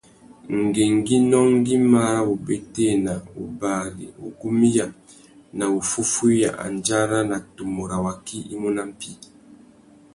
Ngüéngüinô ngüimá râ wubétēna, wubari, wugumiya na wuffúffüiya andjara na tumu râ waki i mú nà mpí.